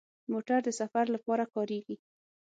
موټر د سفر لپاره کارېږي.